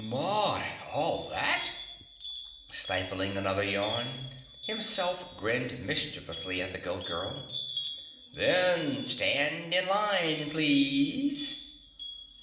"My! All that?" Stifling another yawn, Himself grinned mischievously at the Goat Girl. "Then stand in line, please."